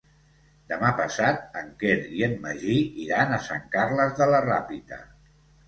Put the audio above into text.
Demà passat en Quer i en Magí iran a Sant Carles de la Ràpita.